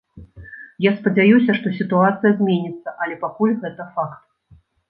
Я спадзяюся, што сітуацыя зменіцца, але пакуль гэта факт.